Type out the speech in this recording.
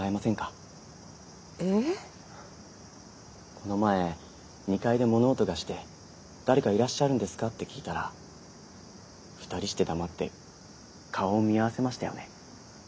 この前２階で物音がして誰かいらっしゃるんですかって聞いたら２人して黙って顔を見合わせましたよね？